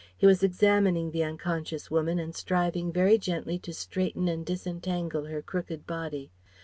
He was examining the unconscious woman and striving very gently to straighten and disentangle her crooked body.